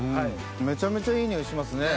めちゃめちゃいい匂いしますね。